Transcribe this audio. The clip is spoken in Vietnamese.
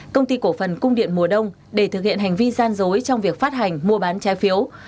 công ty cổ phần cung điện mùa đông để thực hiện hành vi gian dối trong việc phát hành mua bán trái phiếu